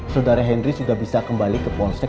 saudara henry sudah bisa kembali ke polsek